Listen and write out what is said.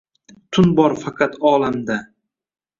Tun bor faqat olamda…